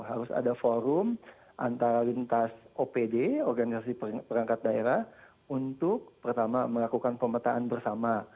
harus ada forum antara lintas opd organisasi perangkat daerah untuk pertama melakukan pemetaan bersama